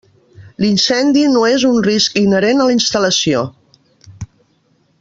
L'incendi no és un risc inherent a la instal·lació.